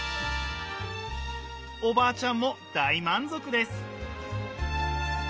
おばあちゃんも大満足です！